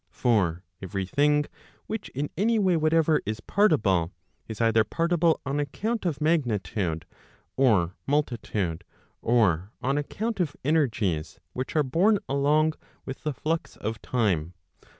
For every thing] 1 which in any way whatever is partible, is either partible on account of magnitude, or multitude, or on account of energies which are borne along with the flux of time.